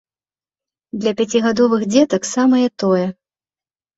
Для пяцігадовых дзетак самае тое.